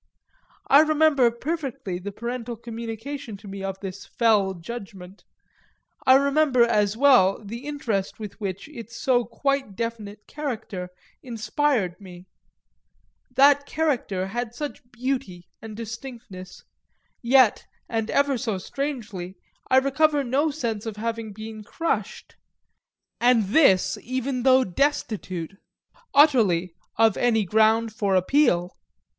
I remember perfectly the parental communication to me of this fell judgment, I remember as well the interest with which its so quite definite character inspired me that character had such beauty and distinctness; yet, and ever so strangely, I recover no sense of having been crushed, and this even though destitute, utterly, of any ground of appeal.